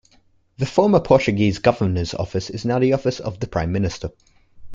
The former Portuguese Governor's office is now the office of the Prime Minister.